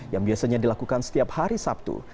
yang biasanya dilakukan setiap hari sabtu